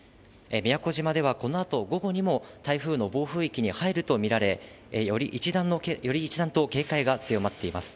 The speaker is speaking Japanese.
宮古島ではこのあと午後にも台風の暴風域に入ると見られ、より一段と警戒が強まっています。